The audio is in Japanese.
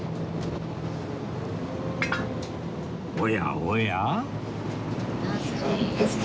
おやおや？